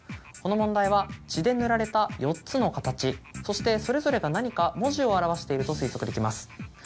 この問題は血で塗られた４つの形そしてそれぞれが何か文字を表していると推測できます。